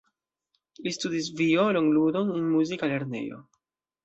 Li studis violon-ludon en muzika lernejo.